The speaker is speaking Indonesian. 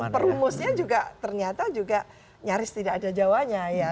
perumusnya juga ternyata juga nyaris tidak ada jawanya